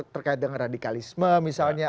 berkait dengan radikalisme misalnya